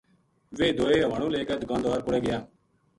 ویہ دوئے ہوانو لے کے دکاندار کوڑے گیا